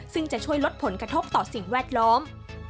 ซึ่งจะช่วยลดผลกระทบต่อสิ่งแวดล้อม